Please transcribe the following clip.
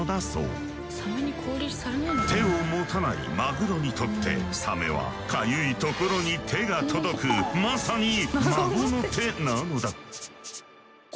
手を持たないマグロにとってサメはかゆいところに手が届くまさに孫の手なのだ。